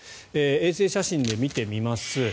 衛星写真で見てみます。